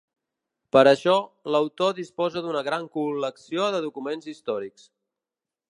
Per a això, l'autor disposa d'una gran col·lecció de documents històrics.